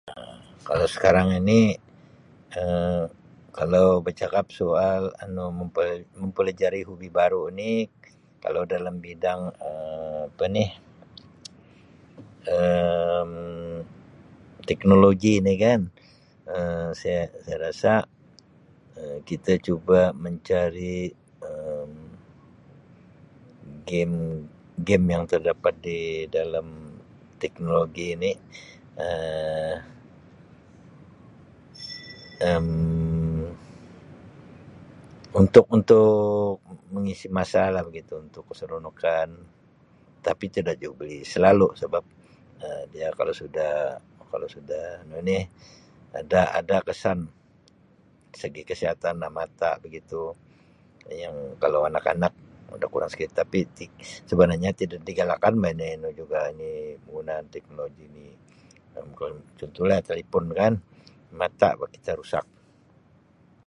Um Kalau sekarang ini Um kalau becakap soal anu mempe-mempelajari hobi baru ni kalau dalam bidang Um apa ni Um teknologi ni kan Um saya-saya rasa Um kita cuba mencari Um game-game yang terdapat di Um teknologi ini Um untuk-untuk mengisi masa lah begitu untuk keseronokan tapi tidak juga boleh selalu sebab Um dia kalau sudah kalau sudah anu ni ada-ada kesan segi kesihatan mata begitu yang kalau anak-anak ada kurang sikit tapi sebenarnya tidak digalakkan bah ini anu juga ni penggunaan teknologi ni Um contohlah telepon kan mata bah kita rusak.